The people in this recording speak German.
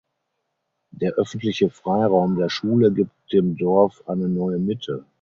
Der öffentliche Freiraum der Schule gibt dem Dorf eine neue Mitte.